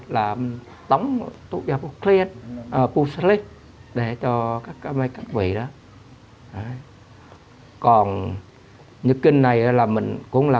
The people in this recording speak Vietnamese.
làm tấm thuốc giảm khuyên ở phú xích để cho các mấy các vị đó còn những kênh này là mình cũng là